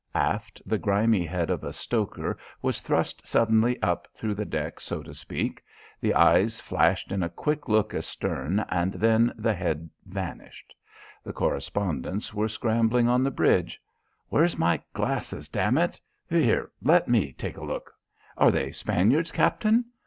Aft, the grimy head of a stoker was thrust suddenly up through the deck, so to speak. The eyes flashed in a quick look astern and then the head vanished. The correspondents were scrambling on the bridge. "Where's my glasses, damn it? Here let me take a look. Are they Spaniards, Captain?